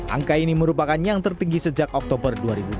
angka ini merupakan yang tertinggi sejak oktober dua ribu dua puluh